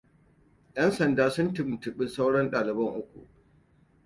‘Yan sanda sun tuntuɓi sauran daliban uku.